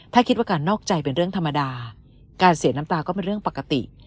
ถ้าคิดว่าการนอกใจเป็นเรื่องธรรมดาการเสียน้ำตาก็เป็นเรื่องปกติ